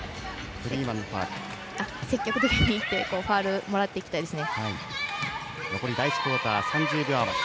積極的にいってファウルをもらっていきたいですね。